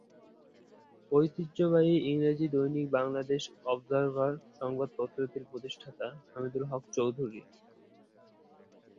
ঐতিহ্যবাহী ইংরেজি দৈনিক বাংলাদেশ অবজারভার, সংবাদপত্রটির প্রতিষ্ঠাতা হামিদুল হক চৌধুরী।